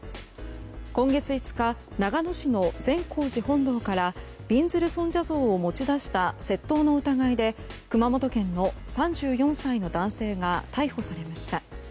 今月５日長野市の善光寺本堂からびんずる尊者像を持ち出した窃盗の疑いで熊本県の３４歳の男性が逮捕されました。